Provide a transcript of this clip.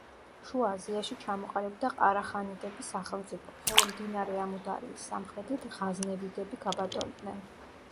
შუა აზიაში ჩამოყალიბდა ყარახანიდების სახელმწიფო, ხოლო მდინარე ამუდარიის სამხრეთით ღაზნევიდები გაბატონდნენ.